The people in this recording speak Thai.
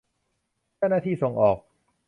เจ้าหน้าที่ส่งออก